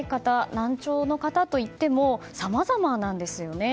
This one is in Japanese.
難聴の方といってもさまざまなんですよね。